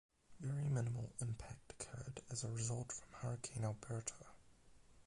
Very minimal impact occurred as a result from Hurricane Alberto.